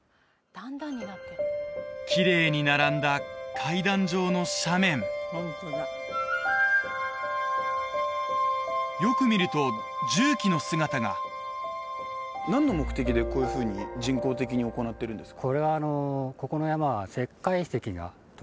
きれいに並んだ階段状の斜面よく見ると重機の姿が何の目的でこういうふうに人工的に行ってるんですか？